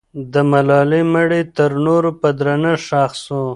د ملالۍ مړی تر نورو په درنښت ښخ سو.